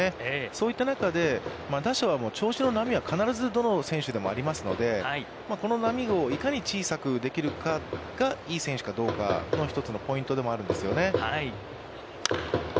そういった中で、打者は調子の波は、必ずどの選手でもありますので、この波をいかに小さくできるかがいい選手かどうかの１つのポイントでもあるんですよね。